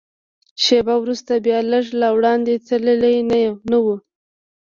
شېبه وروسته بیا، لږ لا وړاندې تللي نه و.